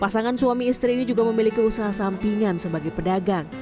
pasangan suami istri ini juga memiliki usaha sampingan sebagai pedagang